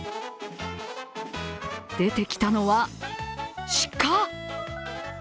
出てきたのは鹿。